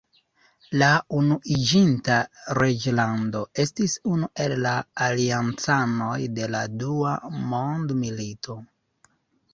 La Unuiĝinta Reĝlando estis unu el la Aliancanoj de la Dua Mondmilito.